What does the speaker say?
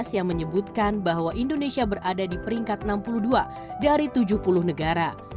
yang menyebutkan bahwa indonesia berada di peringkat enam puluh dua dari tujuh puluh negara